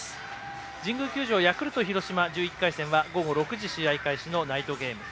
神宮球場、ヤクルト、広島は午後６時試合開始のナイトゲーム。